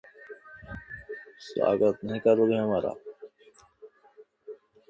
Life Drawing Live!